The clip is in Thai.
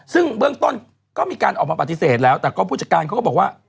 ซึ่งเบื้องต้นก็มีการออกมาปฏิเสธแล้วแต่ก็ผู้จัดการเขาก็บอกว่า